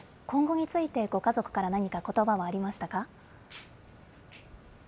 今後について、ご家族から何かことばはありましたか？